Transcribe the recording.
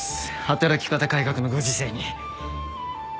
働き方改革のご時世に。